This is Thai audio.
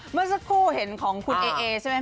เมื่อสักครู่เห็นของคุณเอเอใช่ไหม